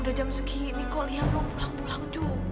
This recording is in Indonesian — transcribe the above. udah jam segini kok lia belum pulang pulang juga sih